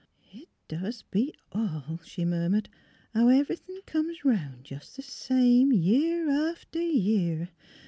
" It doos beat all," she murmured, '' how every thin' comes 'round, jes' th' same, year after year.